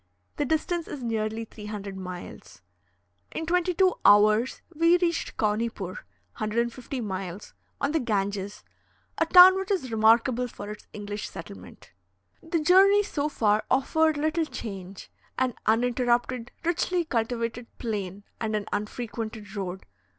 The distance is nearly 300 miles. In twenty two hours we reached Caunipoor (150 miles), on the Ganges, a town which is remarkable for its English settlement. The journey so far offered little change, an uninterrupted richly cultivated plain and an unfrequented road.